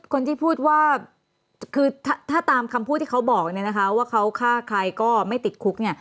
คนที่พูดว่าคือถ้าตามคำพูดที่เขาบอกเนี่ยนะคะว่าเขาฆ่าใครก็ไม่ติดคุกเนี่ย